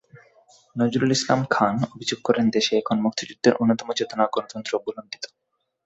নজরুল ইসলাম খান অভিযোগ করেন, দেশে এখন মুক্তিযুদ্ধের অন্যতম চেতনা গণতন্ত্র ভূলুণ্ঠিত।